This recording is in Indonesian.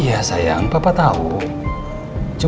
iya papa tau sih